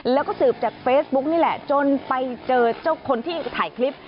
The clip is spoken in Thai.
แล้วก็สืบจากเฟซบุ๊กนี่แหละจนไปเจอเจ้าคนที่ถ่ายคลิป